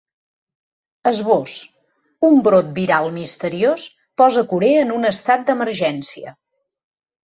Esbós: Un brot viral misteriós posa Corea en un estat d’emergència.